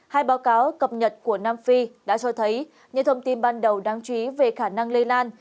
hai báo cáo cập nhật của nam phi đã cho thấy những thông tin ban đầu đáng chú ý về khả năng lây lan